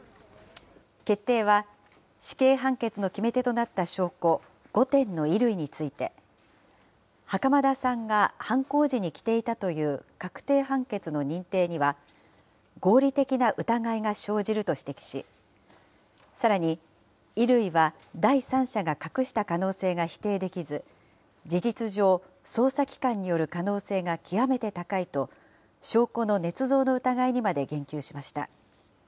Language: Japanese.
決定は死刑判決の決め手となった証拠５点の衣類について、袴田さんが犯行時に着ていたという確定判決の認定には、合理的な疑いが生じると指摘し、さらに、衣類は第三者が隠した可能性が否定できず、事実上、捜査機関による可能性が極めて高いと、証拠のねつ造の疑いにまで言及しました。